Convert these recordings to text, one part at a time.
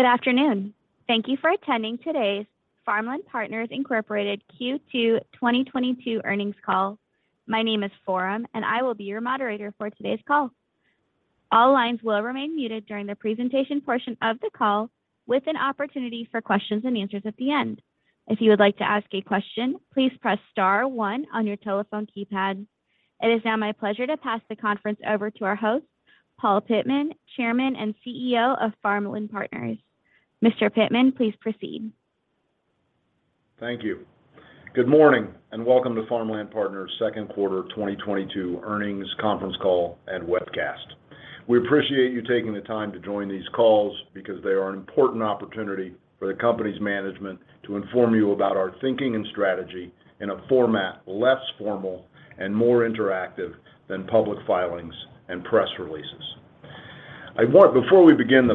Good afternoon. Thank you for attending today's Farmland Partners Inc. Q2 2022 earnings call. My name is Forum, and I will be your moderator for today's call. All lines will remain muted during the presentation portion of the call with an opportunity for questions and answers at the end. If you would like to ask a question, please press star one on your telephone keypad. It is now my pleasure to pass the conference over to our host, Paul Pittman, Chairman and CEO of Farmland Partners. Mr. Pittman, please proceed. Thank you. Good morning, and welcome to Farmland Partners' Q2 2022 earnings conference call and webcast. We appreciate you taking the time to join these calls because they are an important opportunity for the company's management to inform you about our thinking and strategy in a format less formal and more interactive than public filings and press releases. Before we begin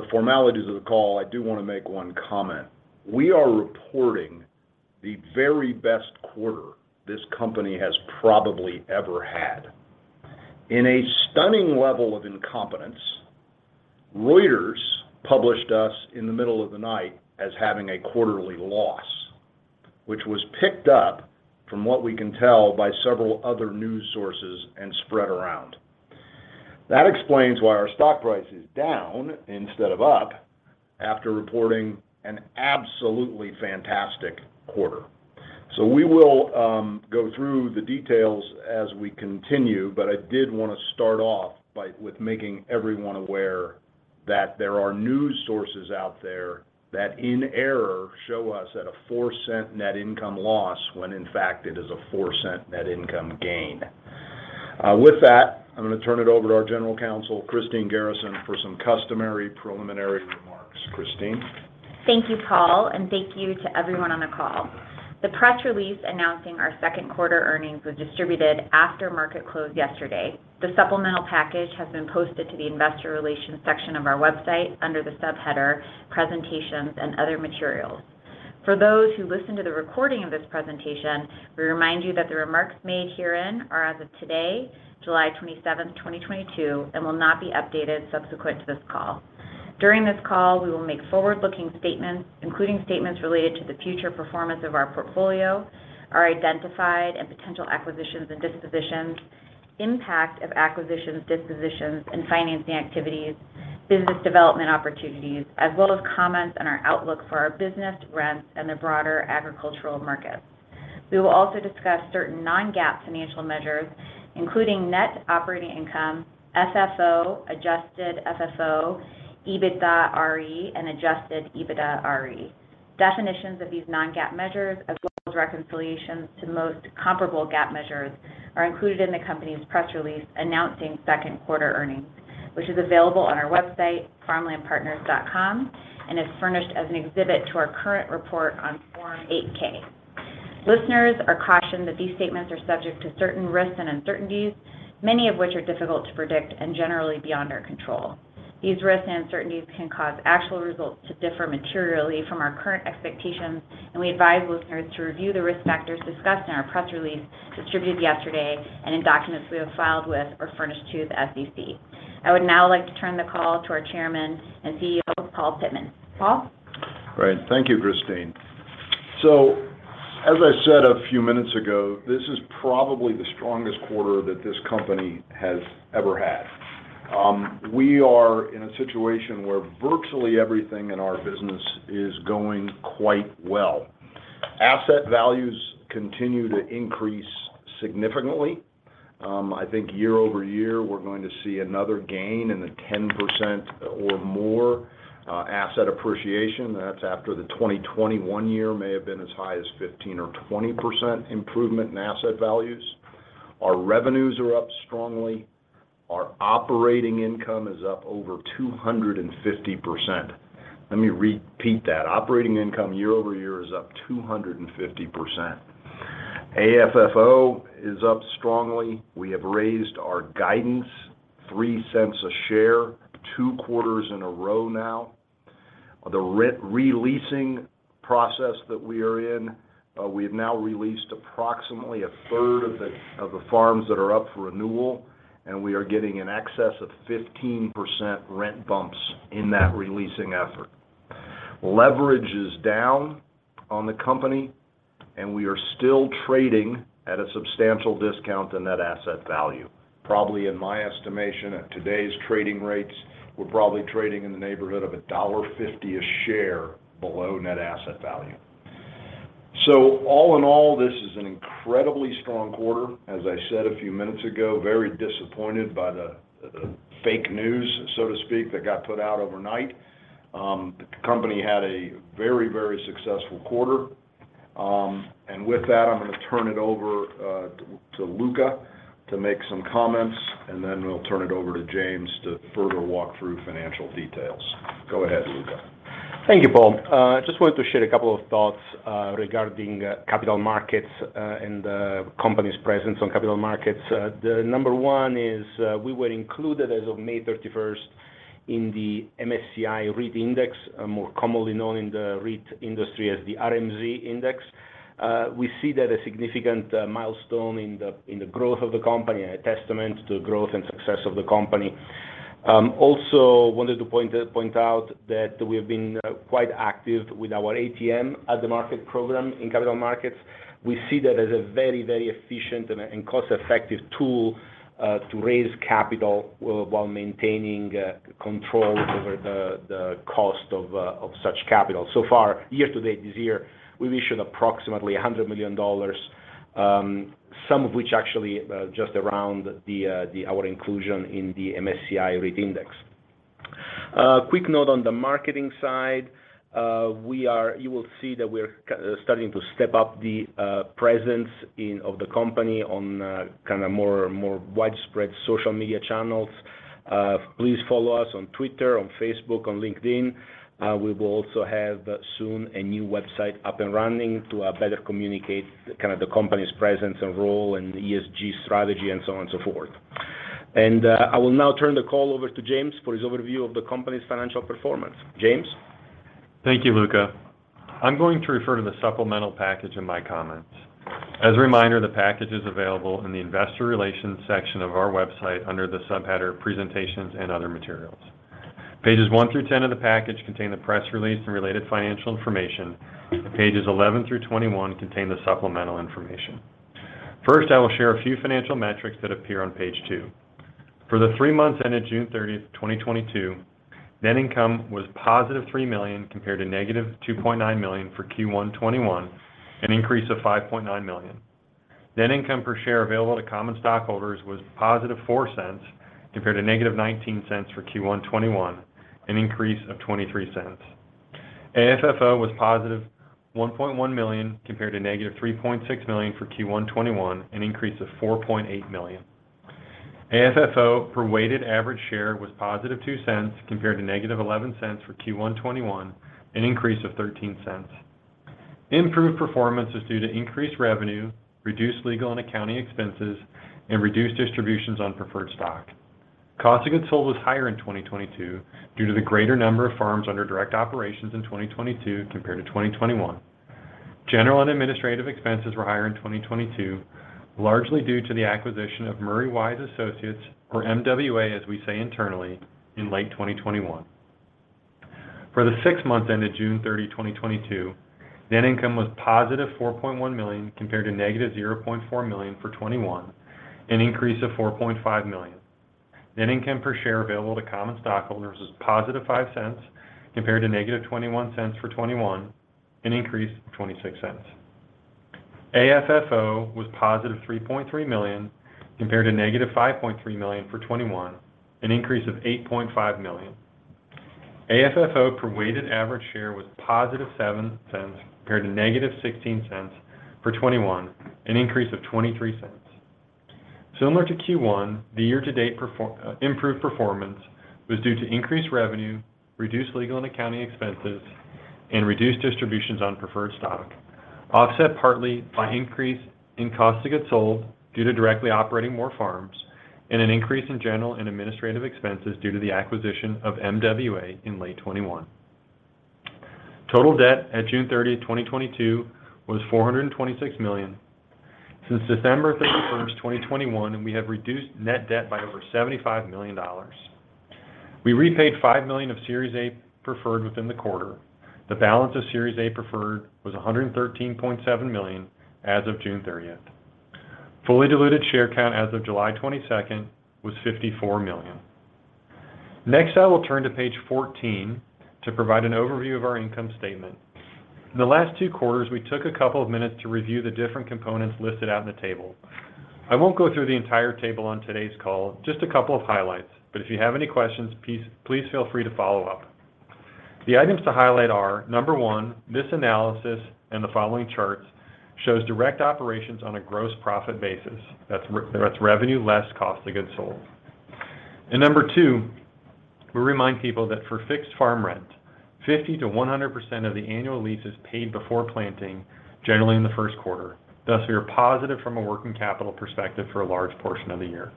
the formalities of the call, I do wanna make one comment. We are reporting the very best quarter this company has probably ever had. In a stunning level of incompetence, Reuters published us in the middle of the night as having a quarterly loss, which was picked up, from what we can tell, by several other news sources and spread around. That explains why our stock price is down instead of up after reporting an absolutely fantastic quarter. We will go through the details as we continue, but I did wanna start off by with making everyone aware that there are news sources out there that in error show us at a $0.04 net income loss, when in fact it is a $0.04 net income gain. With that, I'm gonna turn it over to our General Counsel, Christine Garrison, for some customary preliminary remarks. Christine. Thank you, Paul, and thank you to everyone on the call. The press release announcing our second quarter earnings was distributed after market close yesterday. The supplemental package has been posted to the investor relations section of our website under the subheader Presentations and Other Materials. For those who listen to the recording of this presentation, we remind you that the remarks made herein are as of today, July 27, 2022, and will not be updated subsequent to this call. During this call, we will make forward-looking statements, including statements related to the future performance of our portfolio, our identified and potential acquisitions and dispositions, impact of acquisitions, dispositions, and financing activities, business development opportunities, as well as comments on our outlook for our business, rents, and the broader agricultural markets. We will also discuss certain non-GAAP financial measures, including net operating income, FFO, adjusted FFO, EBITDA RE, and adjusted EBITDA RE. Definitions of these non-GAAP measures as well as reconciliations to the most comparable GAAP measures are included in the company's press release announcing second quarter earnings, which is available on our website, farmlandpartners.com, and is furnished as an exhibit to our current report on Form 8-K. Listeners are cautioned that these statements are subject to certain risks and uncertainties, many of which are difficult to predict and generally beyond our control. These risks and uncertainties can cause actual results to differ materially from our current expectations, and we advise listeners to review the risk factors discussed in our press release distributed yesterday and in documents we have filed with or furnished to the SEC. I would now like to turn the call to our chairman and CEO, Paul Pittman. Paul. Right. Thank you, Christine. As I said a few minutes ago, this is probably the strongest quarter that this company has ever had. We are in a situation where virtually everything in our business is going quite well. Asset values continue to increase significantly. I think year-over-year we're going to see another gain in the 10% or more, asset appreciation. That's after the 2021 year may have been as high as 15% or 20% improvement in asset values. Our revenues are up strongly. Our operating income is up over 250%. Let me repeat that. Operating income year-over-year is up 250%. AFFO is up strongly. We have raised our guidance $0.03 a share two quarters in a row now. The re-releasing process that we are in, we have now released approximately a third of the farms that are up for renewal, and we are getting in excess of 15% rent bumps in that releasing effort. Leverage is down on the company, and we are still trading at a substantial discount to net asset value. Probably in my estimation, at today's trading rates, we're probably trading in the neighborhood of $1.50 a share below net asset value. All in all, this is an incredibly strong quarter. As I said a few minutes ago, very disappointed by the fake news, so to speak, that got put out overnight. The company had a very, very successful quarter. With that, I'm gonna turn it over to Luca to make some comments, and then we'll turn it over to James to further walk through financial details. Go ahead, Luca. Thank you, Paul. Just wanted to share a couple of thoughts regarding capital markets and the company's presence on capital markets. The number one is we were included as of May thirty-first in the MSCI US REIT Index, more commonly known in the REIT industry as the RMZ Index. We see that a significant milestone in the growth of the company and a testament to growth and success of the company. Also wanted to point out that we have been quite active with our ATM at the market program in capital markets. We see that as a very efficient and cost-effective tool to raise capital while maintaining control over the cost of such capital. So far, year to date this year, we've issued approximately $100 million, some of which actually just around our inclusion in the MSCI US REIT Index. Quick note on the marketing side. You will see that we're starting to step up the presence of the company on kinda more widespread social media channels. Please follow us on Twitter, on Facebook, on LinkedIn. We will also have soon a new website up and running to better communicate kind of the company's presence and role and ESG strategy and so on and so forth. I will now turn the call over to James for his overview of the company's financial performance. James. Thank you, Luca. I'm going to refer to the supplemental package in my comments. As a reminder, the package is available in the investor relations section of our website under the subheader presentations and other materials. Pages 1 through 10 of the package contain the press release and related financial information. Pages 11 through 21 contain the supplemental information. First, I will share a few financial metrics that appear on page 2. For the three months ended June 30, 2022, net income was $3 million compared to negative $2.9 million for Q1 2021, an increase of $5.9 million. Net income per share available to common stockholders was $0.04 compared to negative $0.19 for Q1 2021, an increase of $0.23. AFFO was positive $1.1 million compared to -$3.6 million for Q1 2021, an increase of $4.8 million. AFFO per weighted average share was positive $0.02 compared to -$0.11 for Q1 2021, an increase of $0.13. Improved performance was due to increased revenue, reduced legal and accounting expenses, and reduced distributions on preferred stock. Cost of goods sold was higher in 2022 due to the greater number of farms under direct operations in 2022 compared to 2021. General and administrative expenses were higher in 2022, largely due to the acquisition of Murray Wise Associates, or MWA, as we say internally, in late 2021. For the six months ended June 30, 2022, net income was $4.1 million compared to -$0.4 million for 2021, an increase of $4.5 million. Net income per share available to common stockholders was $0.05 compared to -$0.21 for 2021, an increase of $0.26. AFFO was $3.3 million compared to -$5.3 million for 2021, an increase of $8.5 million. AFFO per weighted average share was $0.07 compared to -$0.16 for 2021, an increase of $0.23. Similar to Q1, the year-to-date improved performance was due to increased revenue, reduced legal and accounting expenses, and reduced distributions on preferred stock, offset partly by an increase in cost of goods sold due to directly operating more farms and an increase in general and administrative expenses due to the acquisition of MWA in late 2021. Total debt at June 30, 2022 was $426 million. Since December 31, 2021, we have reduced net debt by over $75 million. We repaid $5 million of Series A preferred within the quarter. The balance of Series A preferred was $113.7 million as of June 30. Fully diluted share count as of July 22 was 54 million. Next, I will turn to page 14 to provide an overview of our income statement. The last two quarters, we took a couple of minutes to review the different components listed out in the table. I won't go through the entire table on today's call, just a couple of highlights. If you have any questions, please feel free to follow up. The items to highlight are, number one, this analysis in the following charts shows direct operations on a gross profit basis. That's that's revenue less cost of goods sold. Number two, we remind people that for fixed farm rent, 50%-100% of the annual lease is paid before planting, generally in the first quarter. Thus, we are positive from a working capital perspective for a large portion of the year.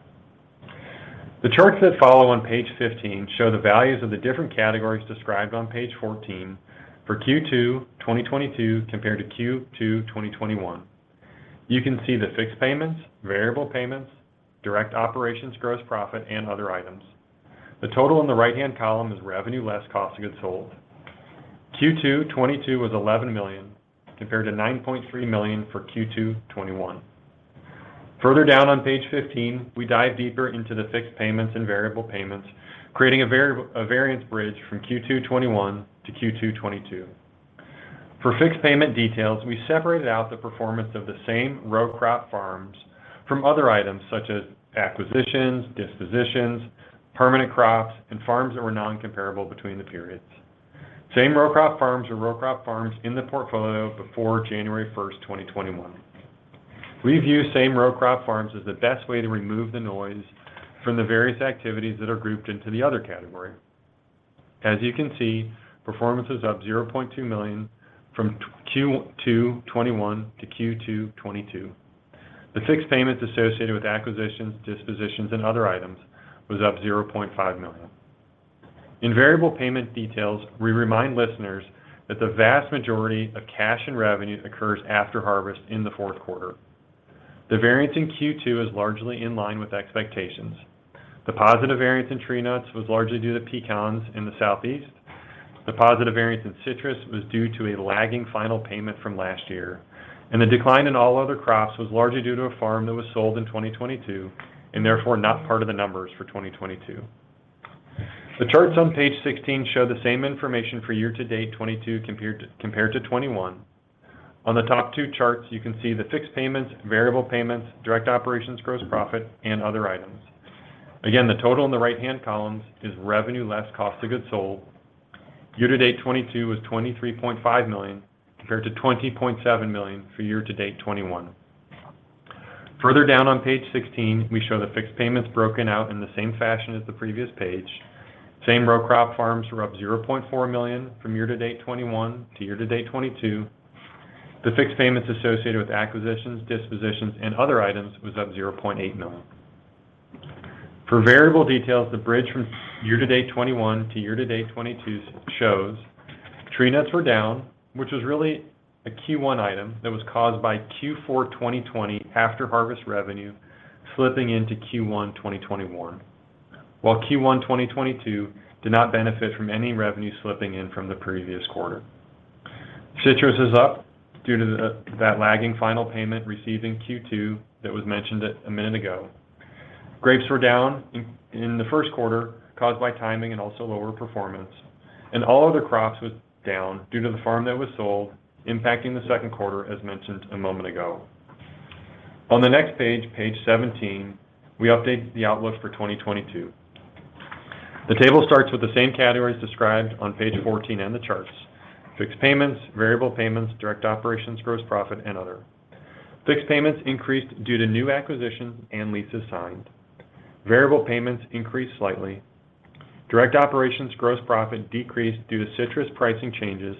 The charts that follow on page 15 show the values of the different categories described on page 14 for Q2 2022 compared to Q2 2021. You can see the fixed payments, variable payments, direct operations gross profit, and other items. The total on the right-hand column is revenue less cost of goods sold. Q2 2022 was $11 million, compared to $9.3 million for Q2 2021. Further down on page 15, we dive deeper into the fixed payments and variable payments, creating a variance bridge from Q2 2021 to Q2 2022. For fixed payment details, we separated out the performance of the same row crop farms from other items such as acquisitions, dispositions, permanent crops, and farms that were non-comparable between the periods. Same row crop farms are row crop farms in the portfolio before January 1, 2021. We view same row crop farms as the best way to remove the noise from the various activities that are grouped into the other category. As you can see, performance is up $0.2 million from Q2 2021 to Q2 2022. The fixed payments associated with acquisitions, dispositions, and other items was up $0.5 million. In variable payment details, we remind listeners that the vast majority of cash and revenue occurs after harvest in the fourth quarter. The variance in Q2 is largely in line with expectations. The positive variance in tree nuts was largely due to pecans in the Southeast. The positive variance in citrus was due to a lagging final payment from last year, and the decline in all other crops was largely due to a farm that was sold in 2022, and therefore not part of the numbers for 2022. The charts on page 16 show the same information for year-to-date 2022 compared to 2021. On the top two charts, you can see the fixed payments, variable payments, direct operations gross profit, and other items. Again, the total in the right-hand columns is revenue less cost of goods sold. Year to date 2022 was $23.5 million, compared to $20.7 million for year to date 2021. Further down on page 16, we show the fixed payments broken out in the same fashion as the previous page. Same row crop farms were up $0.4 million from year to date 2021 to year to date 2022. The fixed payments associated with acquisitions, dispositions, and other items was up $0.8 million. For variable details, the bridge from year to date 2021 to year-to-date 2022 shows tree nuts were down, which was really a Q1 item that was caused by Q4 2020 after-harvest revenue slipping into Q1 2021. While Q1 2022 did not benefit from any revenue slipping in from the previous quarter. Citrus is up due to that lagging final payment received in Q2 that was mentioned a minute ago. Grapes were down in the first quarter, caused by timing and also lower performance. All other crops was down due to the farm that was sold, impacting the second quarter, as mentioned a moment ago. On the next page 17, we update the outlook for 2022. The table starts with the same categories described on page 14 in the charts, fixed payments, variable payments, direct operations gross profit, and other. Fixed payments increased due to new acquisitions and leases signed. Variable payments increased slightly. Direct operations gross profit decreased due to citrus pricing changes.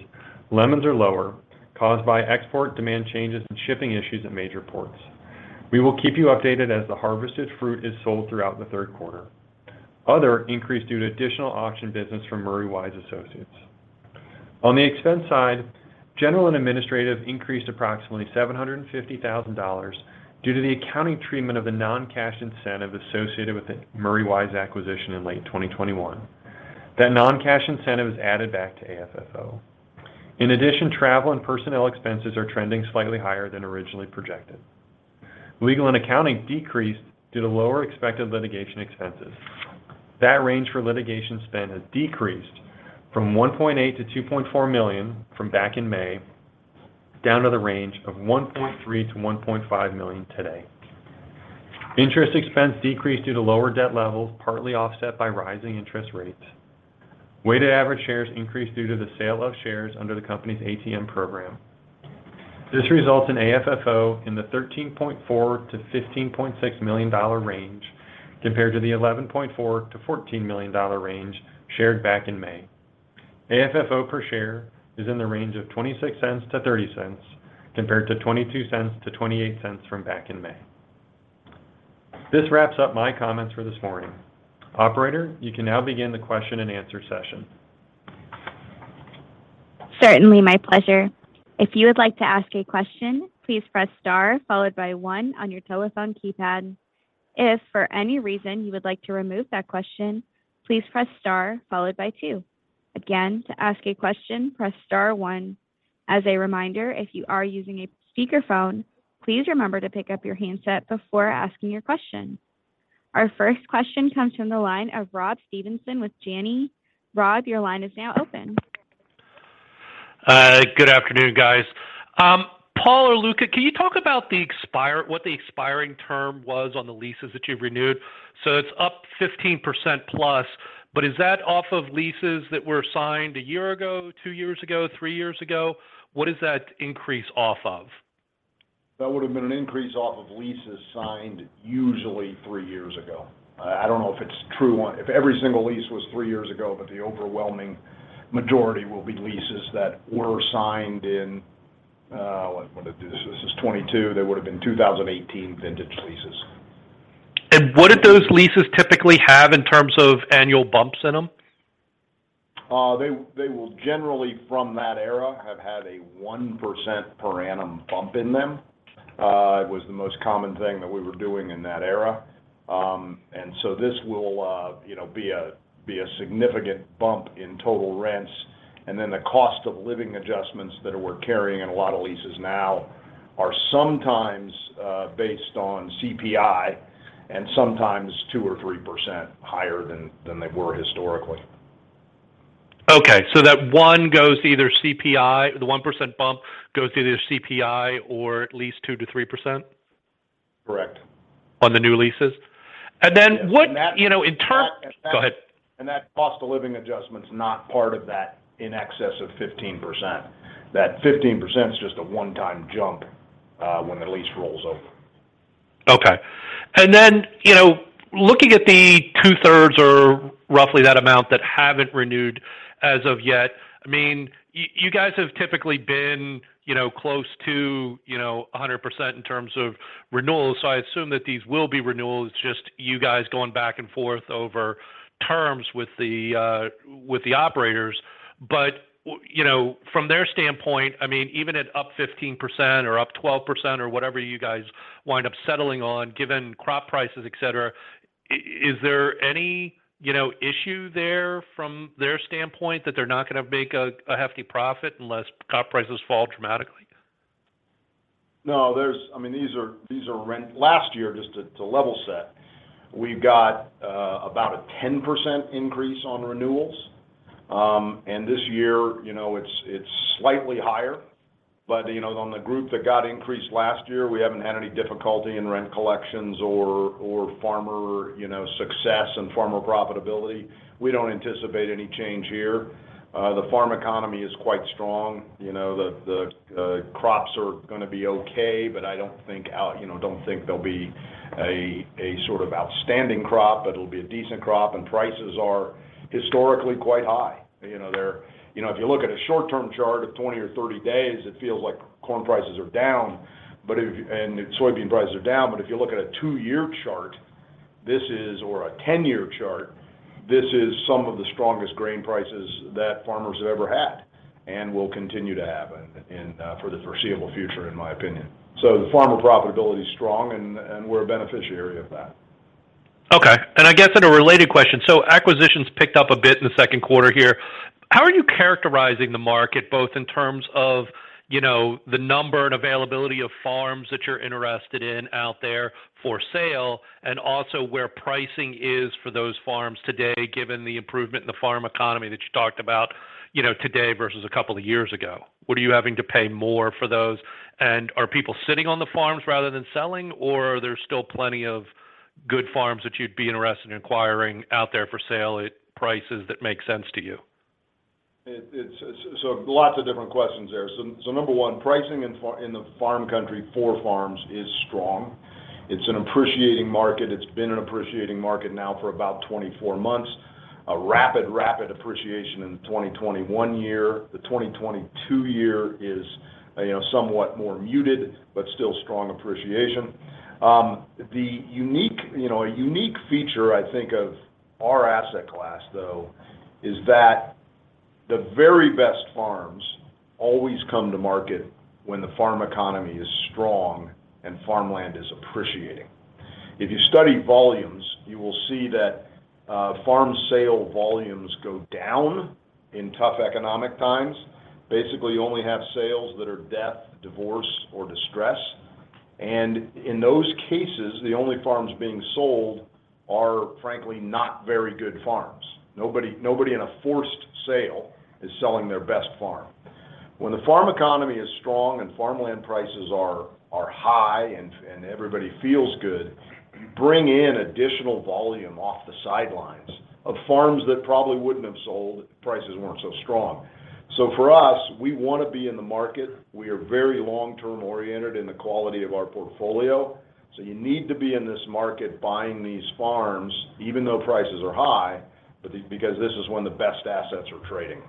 Lemons are lower, caused by export demand changes and shipping issues at major ports. We will keep you updated as the harvested fruit is sold throughout the third quarter. Other increase due to additional auction business from Murray Wise Associates. On the expense side, general and administrative increased approximately $750,000 due to the accounting treatment of the non-cash incentive associated with the Murray Wise acquisition in late 2021. That non-cash incentive is added back to AFFO. In addition, travel and personnel expenses are trending slightly higher than originally projected. Legal and accounting decreased due to lower expected litigation expenses. That range for litigation spend has decreased from $1.8 million-$2.4 million from back in May, down to the range of $1.3 million-$1.5 million today. Interest expense decreased due to lower debt levels, partly offset by rising interest rates. Weighted average shares increased due to the sale of shares under the company's ATM program. This results in AFFO in the $13.4 million-$15.6 million range, compared to the $11.4 million-$14 million range shared back in May. AFFO per share is in the range of $0.26-$0.30, compared to $0.22-$0.28 from back in May. This wraps up my comments for this morning. Operator, you can now begin the question and answer session. Certainly, my pleasure. If you would like to ask a question, please press star followed by one on your telephone keypad. If for any reason you would like to remove that question, please press star followed by two. Again, to ask a question, press star one. As a reminder, if you are using a speakerphone, please remember to pick up your handset before asking your question. Our first question comes from the line of Rob Stevenson with Janney. Rob, your line is now open. Good afternoon, guys. Paul or Luca, can you talk about what the expiring term was on the leases that you've renewed? It's up 15% plus, but is that off of leases that were signed a year ago, two years ago, three years ago? What is that increase off of? That would have been an increase off of leases signed usually 3 years ago. I don't know if it's true if every single lease was 3 years ago, but the overwhelming majority will be leases that were signed in 2022. They would have been 2018 vintage leases. What did those leases typically have in terms of annual bumps in them? They will generally from that era have had a 1% per annum bump in them. It was the most common thing that we were doing in that era. This will, you know, be a significant bump in total rents. Then the cost of living adjustments that we're carrying in a lot of leases now are sometimes based on CPI and sometimes 2% or 3% higher than they were historically. Okay. That one goes to either CPI, the 1% bump goes to either CPI or at least 2%-3%? Correct. On the new leases? What, you know, in term- And that- Go ahead. That cost of living adjustment's not part of that in excess of 15%. That 15% is just a one-time jump, when the lease rolls over. Okay. Then, you know, looking at the two-thirds or roughly that amount that haven't renewed as of yet, I mean, you guys have typically been, you know, close to, you know, 100% in terms of renewals. I assume that these will be renewals, just you guys going back and forth over terms with the, with the operators. You know, from their standpoint, I mean, even at up 15% or up 12% or whatever you guys wind up settling on, given crop prices, et cetera, is there any, you know, issue there from their standpoint that they're not gonna make a hefty profit unless crop prices fall dramatically? No, I mean, these are last year, just to level set, we've got about a 10% increase on renewals. This year, you know, it's slightly higher, but you know, on the group that got increased last year, we haven't had any difficulty in rent collections or farmer, you know, success and farmer profitability. We don't anticipate any change here. The farm economy is quite strong. You know, the crops are gonna be okay, but I don't think there'll be a sort of outstanding crop, but it'll be a decent crop, and prices are historically quite high. You know, if you look at a short-term chart of 20 or 30 days, it feels like corn prices are down and soybean prices are down, but if you look at a 2-year chart or a 10-year chart, this is some of the strongest grain prices that farmers have ever had and will continue to have and for the foreseeable future, in my opinion. The farmer profitability is strong and we're a beneficiary of that. Okay. I guess in a related question, so acquisitions picked up a bit in the second quarter here. How are you characterizing the market, both in terms of, you know, the number and availability of farms that you're interested in out there for sale, and also where pricing is for those farms today, given the improvement in the farm economy that you talked about, you know, today versus a couple of years ago? What are you having to pay more for those? Are people sitting on the farms rather than selling, or are there still plenty of good farms that you'd be interested in acquiring out there for sale at prices that make sense to you? Lots of different questions there. Number one, pricing in the farm country for farms is strong. It's an appreciating market. It's been an appreciating market now for about 24 months. A rapid appreciation in the 2021 year. The 2022 year is somewhat more muted, but still strong appreciation. A unique feature I think of our asset class, though, is that the very best farms always come to market when the farm economy is strong and farmland is appreciating. If you study volumes, you will see that farm sale volumes go down in tough economic times. Basically, you only have sales that are death, divorce or distress. In those cases, the only farms being sold are, frankly, not very good farms. Nobody in a forced sale is selling their best farm. When the farm economy is strong and farmland prices are high and everybody feels good, you bring in additional volume off the sidelines of farms that probably wouldn't have sold if prices weren't so strong. For us, we wanna be in the market. We are very long-term oriented in the quality of our portfolio. You need to be in this market buying these farms, even though prices are high, but because this is when the best assets are trading.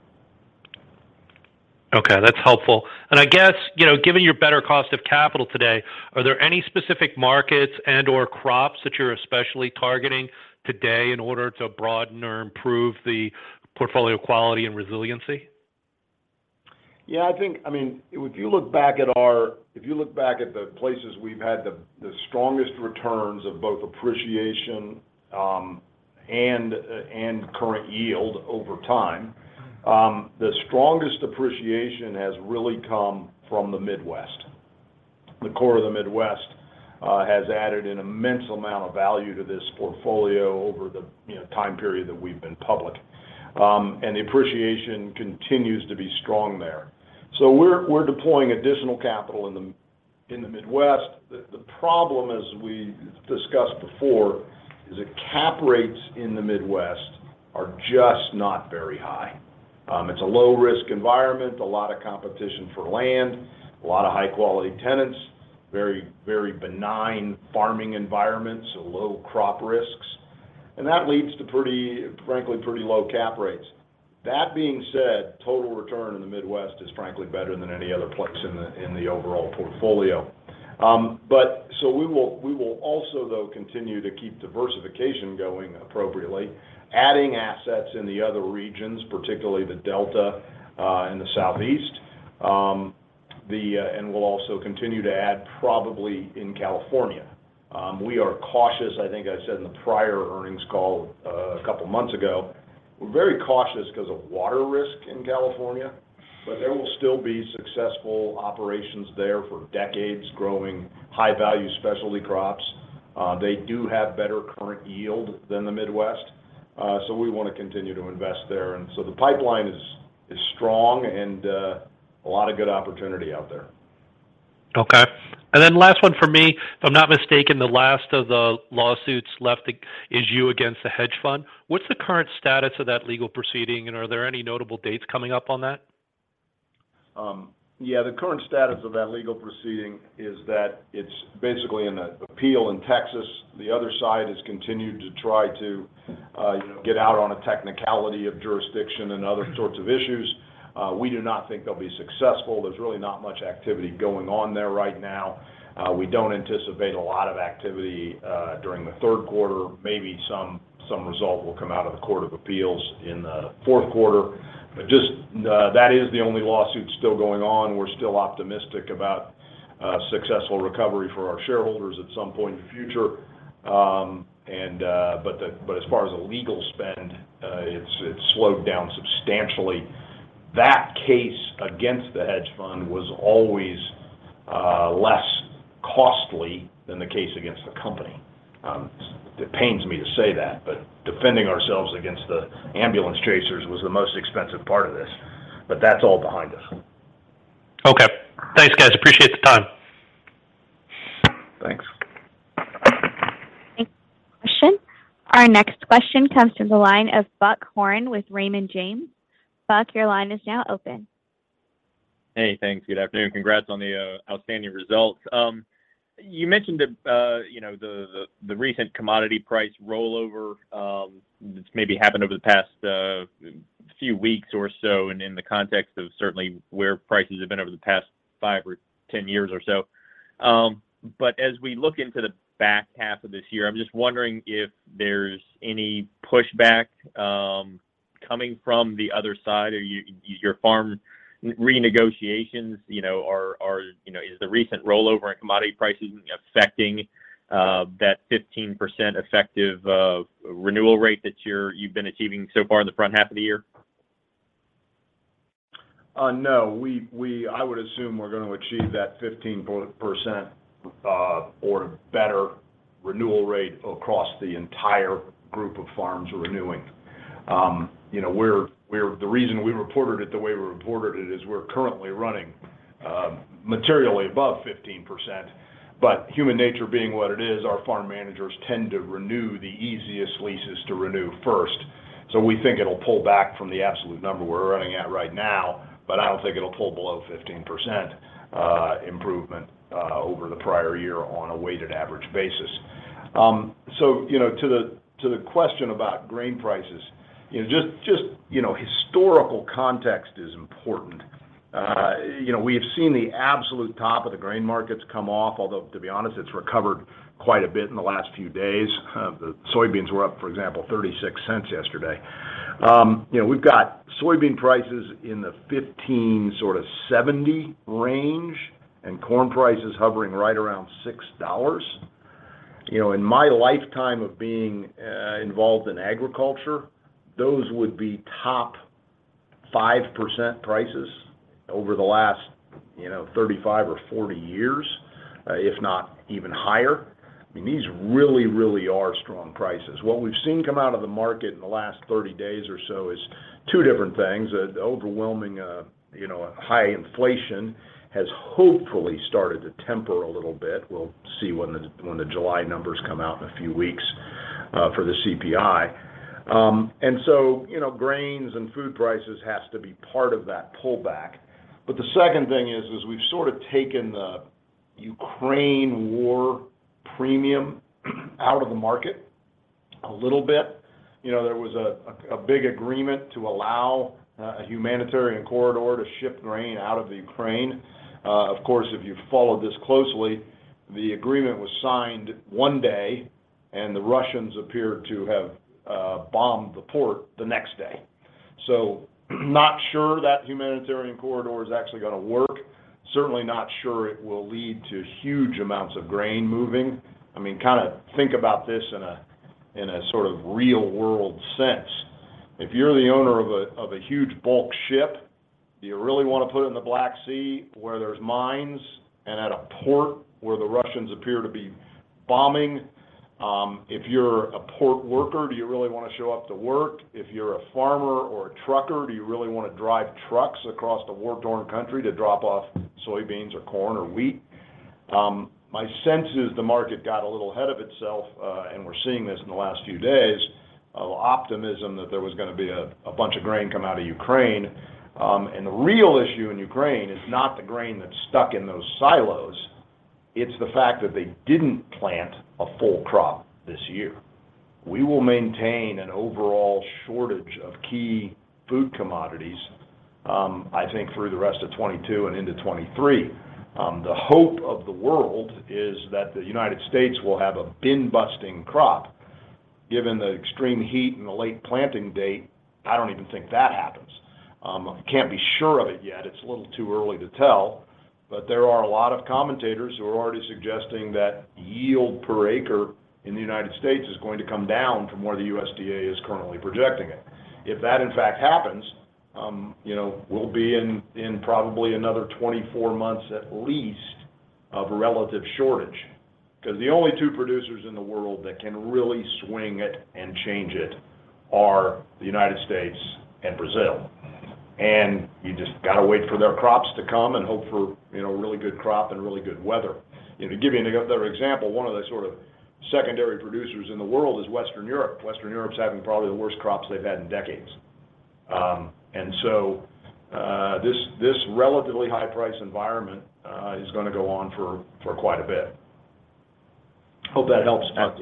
Okay, that's helpful. I guess, you know, given your better cost of capital today, are there any specific markets and/or crops that you're especially targeting today in order to broaden or improve the portfolio quality and resiliency? Yeah, I think I mean, if you look back at the places we've had the strongest returns of both appreciation and current yield over time, the strongest appreciation has really come from the Midwest. The core of the Midwest has added an immense amount of value to this portfolio over the you know time period that we've been public. The appreciation continues to be strong there. We're deploying additional capital in the Midwest. The problem, as we discussed before, is that cap rates in the Midwest are just not very high. It's a low risk environment, a lot of competition for land, a lot of high quality tenants, very benign farming environments, so low crop risks. That leads to pretty, frankly, pretty low cap rates. That being said, total return in the Midwest is frankly better than any other place in the overall portfolio. We will also though continue to keep diversification going appropriately, adding assets in the other regions, particularly the Delta, and the Southeast. We'll also continue to add probably in California. We are cautious, I think I said in the prior earnings call a couple months ago, we're very cautious 'cause of water risk in California, but there will still be successful operations there for decades growing high value specialty crops. They do have better current yield than the Midwest, so we wanna continue to invest there. The pipeline is strong and a lot of good opportunity out there. Okay. Last one from me. If I'm not mistaken, the last of the lawsuits left is yours against the hedge fund. What's the current status of that legal proceeding, and are there any notable dates coming up on that? Yeah, the current status of that legal proceeding is that it's basically in an appeal in Texas. The other side has continued to try to, you know, get out on a technicality of jurisdiction and other sorts of issues. We do not think they'll be successful. There's really not much activity going on there right now. We don't anticipate a lot of activity during the third quarter. Maybe some result will come out of the Court of Appeals in the fourth quarter. Just that is the only lawsuit still going on. We're still optimistic about successful recovery for our shareholders at some point in the future. As far as the legal spend, it's slowed down substantially. That case against the hedge fund was always less costly than the case against the company. It pains me to say that, but defending ourselves against the ambulance chasers was the most expensive part of this. That's all behind us. Okay. Thanks, guys. Appreciate the time. Thanks. Thank you. Our next question comes from the line of Buck Horne with Raymond James. Buck, your line is now open. Hey, thanks. Good afternoon. Congrats on the outstanding results. You mentioned you know, the recent commodity price rollover that's maybe happened over the past few weeks or so and in the context of certainly where prices have been over the past five or 10 years or so. As we look into the back half of this year, I'm just wondering if there's any pushback coming from the other side. Is your farm renegotiations you know, is the recent rollover in commodity prices affecting that 15% effective renewal rate that you've been achieving so far in the front half of the year? No. I would assume we're gonna achieve that 15% or better renewal rate across the entire group of farms renewing. You know, the reason we reported it the way we reported it is we're currently running materially above 15%. But human nature being what it is, our farm managers tend to renew the easiest leases to renew first. We think it'll pull back from the absolute number we're running at right now, but I don't think it'll pull below 15% improvement over the prior year on a weighted average basis. You know, to the question about grain prices, you know, just historical context is important. You know, we have seen the absolute top of the grain markets come off, although, to be honest, it's recovered quite a bit in the last few days. The soybeans were up, for example, $0.36 yesterday. You know, we've got soybean prices in the $15.70 range and corn prices hovering right around $6. You know, in my lifetime of being involved in agriculture, those would be top 5% prices over the last 35 or 40 years, if not even higher. I mean, these really, really are strong prices. What we've seen come out of the market in the last 30 days or so is two different things. An overwhelming high inflation has hopefully started to temper a little bit. We'll see when the July numbers come out in a few weeks for the CPI. You know, grains and food prices has to be part of that pullback. The second thing is we've sort of taken the Ukraine war premium out of the market a little bit. You know, there was a big agreement to allow a humanitarian corridor to ship grain out of Ukraine. Of course, if you followed this closely, the agreement was signed one day and the Russians appeared to have bombed the port the next day. Not sure that humanitarian corridor is actually gonna work. Certainly not sure it will lead to huge amounts of grain moving. I mean, kinda think about this in a sort of real world sense. If you're the owner of a huge bulk ship, do you really wanna put it in the Black Sea where there's mines and at a port where the Russians appear to be bombing? If you're a port worker, do you really wanna show up to work? If you're a farmer or a trucker, do you really wanna drive trucks across the war-torn country to drop off soybeans or corn or wheat? My sense is the market got a little ahead of itself, and we're seeing this in the last few days, optimism that there was gonna be a bunch of grain come out of Ukraine. The real issue in Ukraine is not the grain that's stuck in those silos. It's the fact that they didn't plant a full crop this year. We will maintain an overall shortage of key food commodities, I think through the rest of 2022 and into 2023. The hope of the world is that the United States will have a bin-busting crop. Given the extreme heat and the late planting date, I don't even think that happens. Can't be sure of it yet. It's a little too early to tell, but there are a lot of commentators who are already suggesting that yield per acre in the United States is going to come down from where the USDA is currently projecting it. If that in fact happens, you know, we'll be in probably another 24 months at least of a relative shortage. 'Cause the only two producers in the world that can really swing it and change it are the United States and Brazil. You just gotta wait for their crops to come and hope for, you know, really good crop and really good weather. You know, to give you another example, one of the sort of secondary producers in the world is Western Europe. Western Europe's having probably the worst crops they've had in decades. This relatively high price environment is gonna go on for quite a bit. Hope that helps, Alex.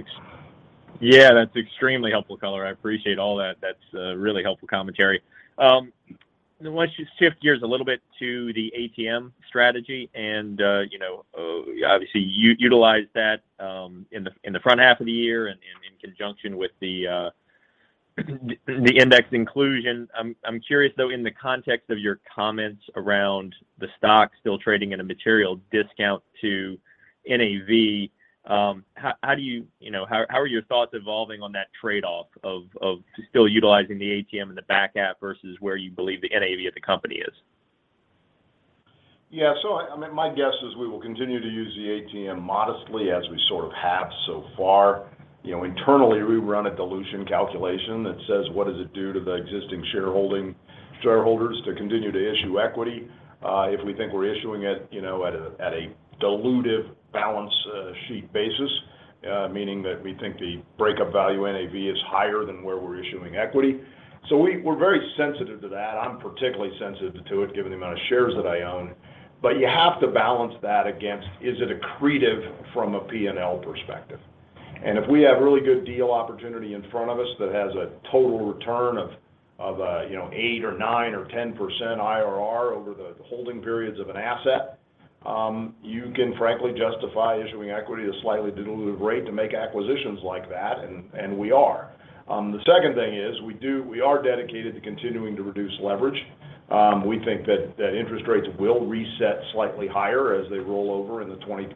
Yeah, that's extremely helpful, Luca. I appreciate all that. That's really helpful commentary. Why don't you shift gears a little bit to the ATM strategy and, you know, obviously, utilize that in the front half of the year and in conjunction with the index inclusion. I'm curious though in the context of your comments around the stock still trading at a material discount to NAV. You know, how are your thoughts evolving on that trade-off of still utilizing the ATM in the back half versus where you believe the NAV of the company is? Yeah. I mean, my guess is we will continue to use the ATM modestly as we sort of have so far. You know, internally, we run a dilution calculation that says, what does it do to the existing shareholding, shareholders to continue to issue equity, if we think we're issuing it, you know, at a, at a dilutive balance sheet basis, meaning that we think the breakup value NAV is higher than where we're issuing equity. We're very sensitive to that. I'm particularly sensitive to it given the amount of shares that I own. You have to balance that against, is it accretive from a P&L perspective? If we have really good deal opportunity in front of us that has a total return of you know, 8 or 9 or 10% IRR over the holding periods of an asset, you can frankly justify issuing equity at a slightly dilutive rate to make acquisitions like that, and we are. The second thing is we are dedicated to continuing to reduce leverage. We think that interest rates will reset slightly higher as they roll over.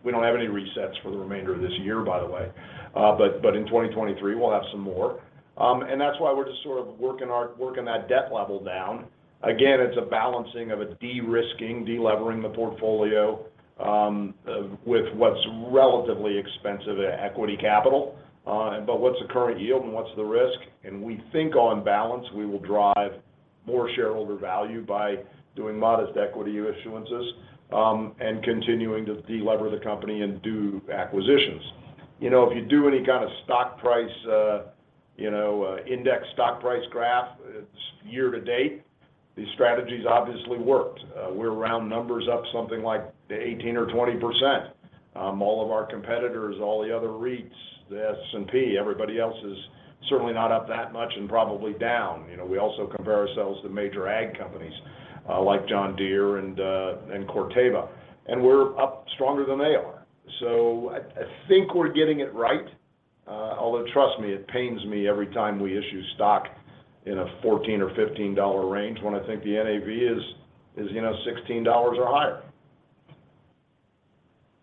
We don't have any resets for the remainder of this year, by the way. But in 2023, we'll have some more. That's why we're just sort of working that debt level down. Again, it's a balancing of a de-risking, de-levering the portfolio, with what's relatively expensive equity capital, but what's the current yield and what's the risk? We think on balance, we will drive more shareholder value by doing modest equity issuances, and continuing to de-lever the company and do acquisitions. You know, if you do any kind of stock price, you know, index stock price graph, it's year to date, these strategies obviously worked. We're round numbers up something like 18% or 20%. All of our competitors, all the other REITs, the S&P, everybody else is certainly not up that much and probably down. You know, we also compare ourselves to major ag companies, like John Deere and Corteva, and we're up stronger than they are. I think we're getting it right. Although trust me, it pains me every time we issue stock in a $14-$15 range when I think the NAV is, you know, $16 or higher.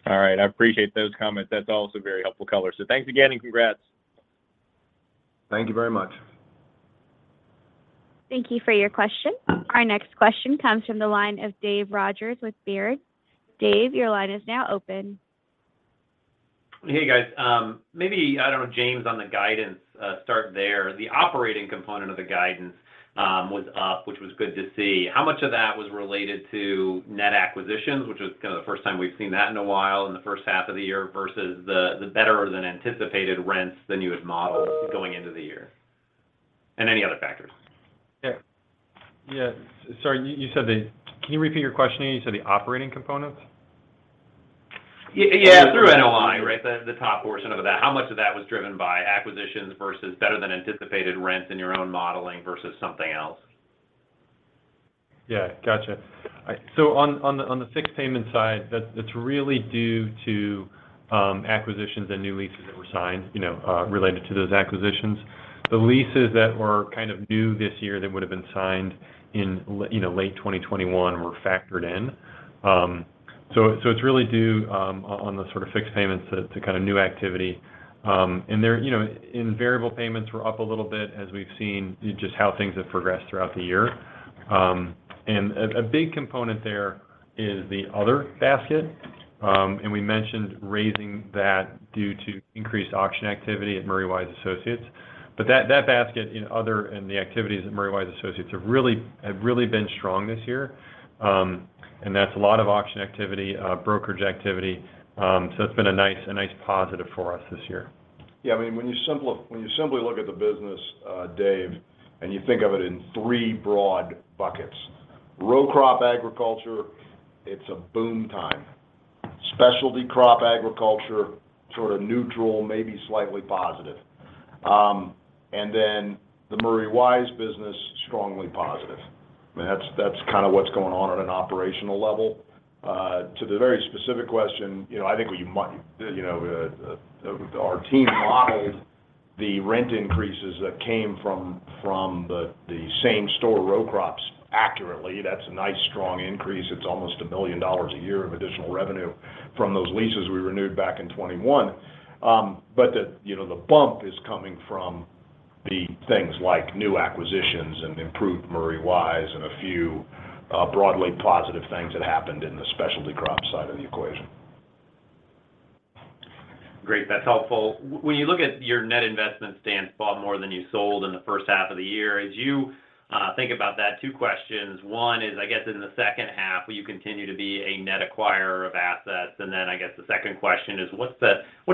All right. I appreciate those comments. That's all. It's a very helpful Paul Pittman. Thanks again and congrats. Thank you very much. Thank you for your question. Our next question comes from the line of David Rodgers with Baird. Dave, your line is now open. Hey, guys. Maybe, I don't know, James, on the guidance, start there. The operating component of the guidance was up, which was good to see. How much of that was related to net acquisitions, which is kind of the first time we've seen that in a while in the first half of the year versus the better-than-anticipated rents than you had modeled going into the year, and any other factors? Yeah. Sorry, you said. Can you repeat your question? You said the operating components? Yeah. Through NOI, right? The top portion of that. How much of that was driven by acquisitions versus better than anticipated rents in your own modeling versus something else? Yeah, gotcha. On the fixed payment side, that's really due to acquisitions and new leases that were signed, you know, related to those acquisitions. The leases that were kind of new this year that would have been signed in late 2021 were factored in. It's really due on the sort of fixed payments to kind of new activity. The variable payments were up a little bit as we've seen just how things have progressed throughout the year. A big component there is the other basket. We mentioned raising that due to increased auction activity at Murray Wise Associates. That basket in other and the activities at Murray Wise Associates have really been strong this year. That's a lot of auction activity, brokerage activity. It's been a nice positive for us this year. Yeah. I mean, when you simply look at the business, Dave, and you think of it in three broad buckets, row crop agriculture, it's a boom time. Specialty crop agriculture, sort of neutral, maybe slightly positive. The Murray Wise business, strongly positive. I mean, that's kind of what's going on at an operational level. To the very specific question, you know, I think we might, you know, our team modeled the rent increases that came from the same store row crops accurately. That's a nice, strong increase. It's almost $1 million a year of additional revenue from those leases we renewed back in 2021. you know, the bump is coming from the things like new acquisitions and improved Murray Wise and a few broadly positive things that happened in the specialty crop side of the equation. Great. That's helpful. When you look at your net investment stance, bought more than you sold in the first half of the year, as you think about that, two questions. One is, I guess in the second half, will you continue to be a net acquirer of assets? And then I guess the second question is, what's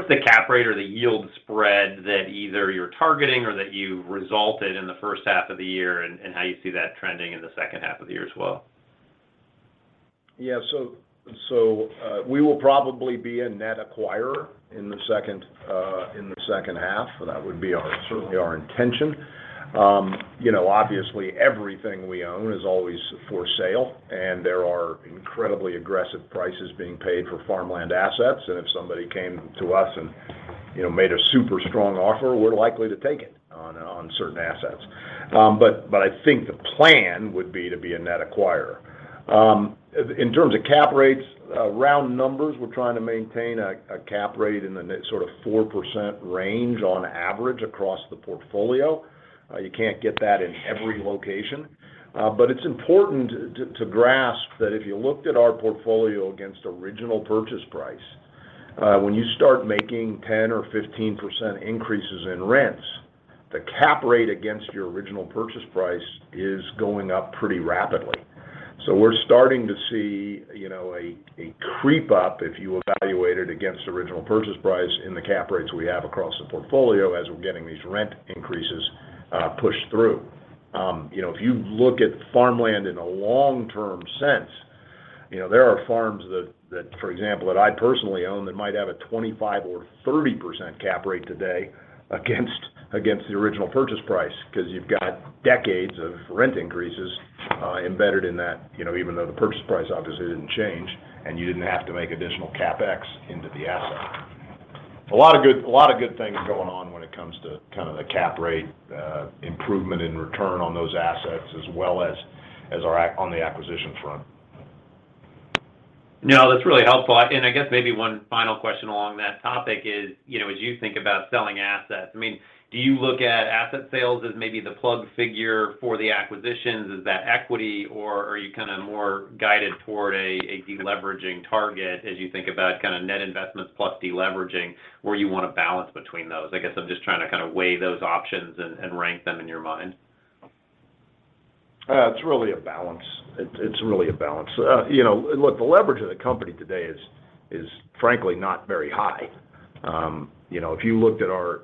the cap rate or the yield spread that either you're targeting or that you resulted in the first half of the year and how you see that trending in the second half of the year as well? Yeah. So we will probably be a net acquirer in the second half. That would be certainly our intention. You know, obviously, everything we own is always for sale, and there are incredibly aggressive prices being paid for farmland assets. If somebody came to us and, you know, made a super strong offer, we're likely to take it on certain assets. But I think the plan would be to be a net acquirer. In terms of cap rates, round numbers, we're trying to maintain a cap rate in the sort of 4% range on average across the portfolio. You can't get that in every location. It's important to grasp that if you looked at our portfolio against original purchase price, when you start making 10% or 15% increases in rents, the cap rate against your original purchase price is going up pretty rapidly. We're starting to see, you know, a creep up if you evaluate it against original purchase price in the cap rates we have across the portfolio as we're getting these rent increases pushed through. You know, if you look at farmland in a long-term sense, you know, there are farms that, for example, that I personally own, that might have a 25% or 30% cap rate today against the original purchase price, 'cause you've got decades of rent increases embedded in that, you know, even though the purchase price obviously didn't change, and you didn't have to make additional CapEx into the asset. A lot of good things going on when it comes to kind of the cap rate improvement in return on those assets, as well as on the acquisition front. No, that's really helpful. I guess maybe one final question along that topic is, you know, as you think about selling assets, I mean, do you look at asset sales as maybe the plug figure for the acquisitions? Is that equity, or are you kind of more guided toward a deleveraging target as you think about kind of net investments plus deleveraging, where you want to balance between those? I guess I'm just trying to kind of weigh those options and rank them in your mind. It's really a balance. It's really a balance. You know, look, the leverage of the company today is frankly not very high. You know, if you looked at our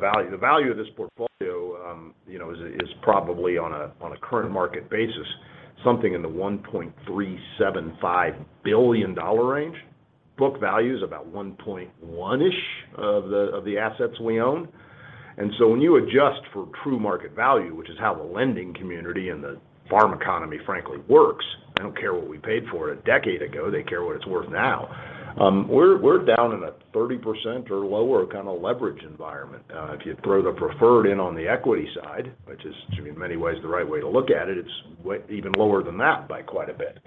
value, the value of this portfolio, you know, is probably on a current market basis something in the $1.375 billion range. Book value is about 1.1-ish of the assets we own. When you adjust for true market value, which is how the lending community and the farm economy frankly works, they don't care what we paid for it a decade ago, they care what it's worth now. We're down in a 30% or lower kind of leverage environment. If you throw the preferred in on the equity side, which is, to me, in many ways the right way to look at it's way even lower than that by quite a bit.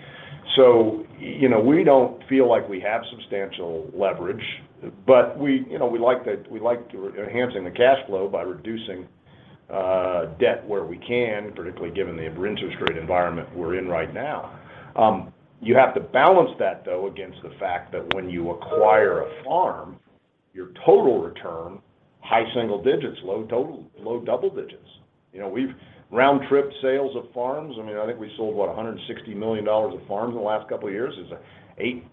You know, we don't feel like we have substantial leverage, but we, you know, we like to enhance the cash flow by reducing debt where we can, particularly given the interest rate environment we're in right now. You have to balance that, though, against the fact that when you acquire a farm, your total return, high single digits, low double digits. You know, we've round-tripped sales of farms. I mean, I think we sold, what? $160 million of farms in the last couple of years, is a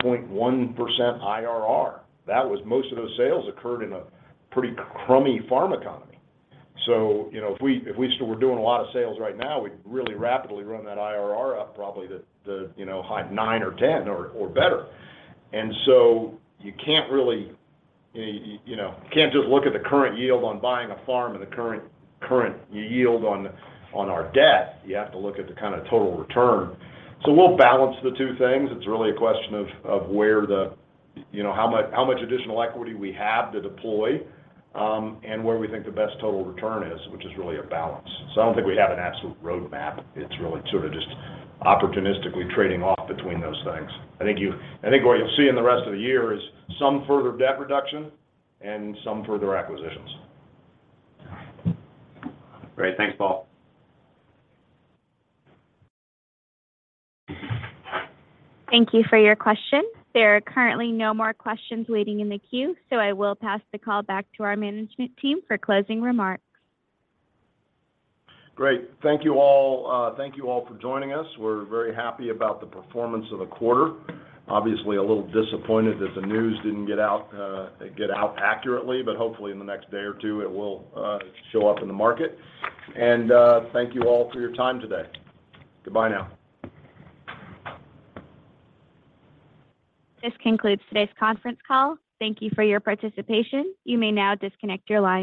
8.1% IRR. Most of those sales occurred in a pretty crummy farm economy. You know, if we still were doing a lot of sales right now, we'd really rapidly run that IRR up probably to you know, high 9 or 10 or better. You can't really, you know, you can't just look at the current yield on buying a farm and the current yield on our debt. You have to look at the kinda total return. We'll balance the two things. It's really a question of where, you know, how much additional equity we have to deploy and where we think the best total return is, which is really a balance. I don't think we have an absolute roadmap. It's really sort of just opportunistically trading off between those things. I think what you'll see in the rest of the year is some further debt reduction and some further acquisitions. Great. Thanks, Paul. Thank you for your question. There are currently no more questions waiting in the queue, so I will pass the call back to our management team for closing remarks. Great. Thank you all. Thank you all for joining us. We're very happy about the performance of the quarter. Obviously, a little disappointed that the news didn't get out accurately, but hopefully in the next day or two, it will show up in the market. Thank you all for your time today. Goodbye now. This concludes today's conference call. Thank you for your participation. You may now disconnect your lines.